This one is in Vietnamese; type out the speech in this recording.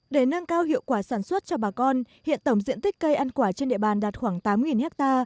để nâng cao hiệu quả sản xuất cho bà con hiện tổng diện tích cây ăn quả trên địa bàn đạt khoảng tám ha